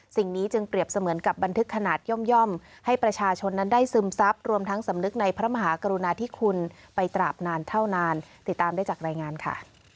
สิ่งนี้จึงเปรียบเสมือนกับบันทึกขนาดย่อมให้ประชาชนนั้นได้ซึมซับรวมทั้งสำนึกในพระมหากรุณาธิคุณไปตราบนานเท่านานติดตามได้จากรายงานค่ะ